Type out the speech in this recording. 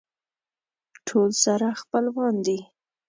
ټول سره خپلوان دي.